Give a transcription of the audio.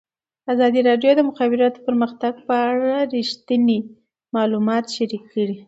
ازادي راډیو د د مخابراتو پرمختګ په اړه رښتیني معلومات شریک کړي.